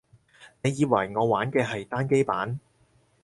你以為我玩嘅係單機版